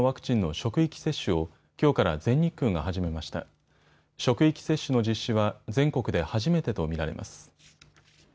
職域接種の実施は全国で初めてと見られます。